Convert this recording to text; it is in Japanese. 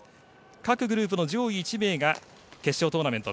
各グループの上位１位が決勝トーナメント